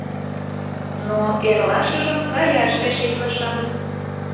Но эрлашыжым каяш решитлышым.